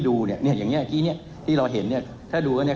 ดูเนี่ยเนี่ยอย่างเงี้ยที่เนี้ยที่เราเห็นเนี่ยถ้าดูแล้วเนี่ย